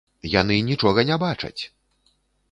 Яны нічога не бачаць!